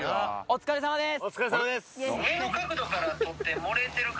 お疲れさまです